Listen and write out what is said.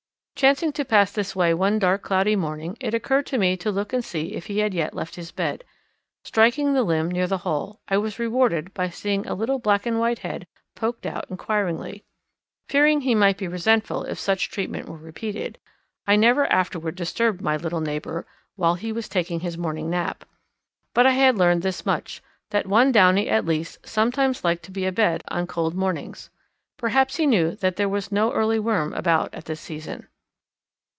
Chancing to pass this way one dark cloudy morning, it occurred to me to look and see if he had yet left his bed. Striking the limb near the hole I was rewarded by seeing a little black and white head poked out inquiringly. Fearing he might be resentful if such treatment were repeated, I never afterward disturbed my little neighbour while he was taking his morning nap. But I had learned this much, that one Downy at least sometimes liked to be abed on cold mornings. Perhaps he knew that there was no early worm about at this season.